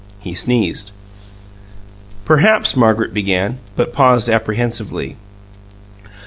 He sneezed. "Perhaps " Margaret began, but paused apprehensively.